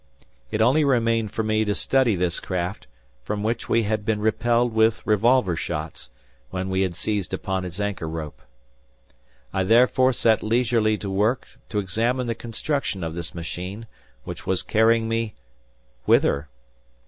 It only remained for me to study this craft, from which we had been repelled with revolver shots, when we had seized upon its anchor rope. I therefore set leisurely to work to examine the construction of this machine, which was carrying me—whither?